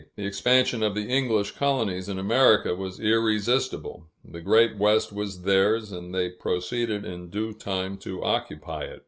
The expansion of the English colonies in America was irresistible; the Great West was theirs, and they proceeded in due time to occupy it.